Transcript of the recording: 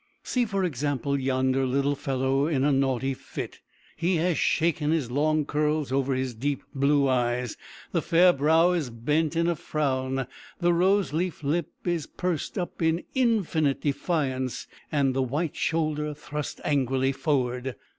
See, for example, yonder little fellow in a naughty fit. He has shaken his long curls over his deep blue eyes; the fair brow is bent in a frown, the rose leaf lip is pursed up in infinite defiance, and the white shoulder thrust angrily forward.